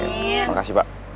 terima kasih pak